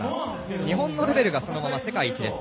日本のレベルがそのまま世界一です。